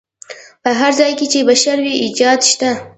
په هر ځای کې چې بشر وي ایجاد شته.